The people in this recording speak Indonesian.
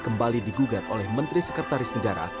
kembali digugat oleh menteri sekretaris negara